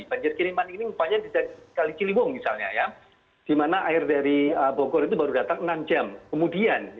banjir kiriman ini misalnya di kalikiliwung di mana air dari bogor itu baru datang enam jam kemudian